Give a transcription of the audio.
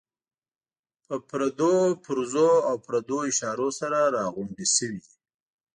په پردو پرزو او پردو اشارو سره راغونډې شوې دي.